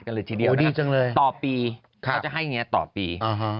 กันเลยทีเดียวนะครับต่อปีก็จะให้อย่างนี้ต่อปี